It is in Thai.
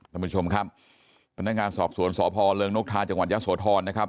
ท่านผู้ชมครับพนักงานสอบสวนสพเริงนกทาจังหวัดยะโสธรนะครับ